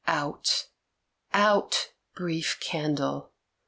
Out, out, brief candle!